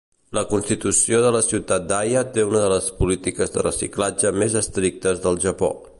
La constitució de la ciutat d'Aya té una de las polítiques de reciclatge més estrictes del Japó.